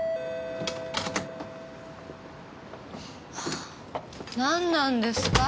あなんなんですか？